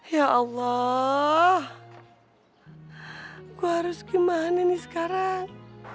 ya allah aku harus gimana nih sekarang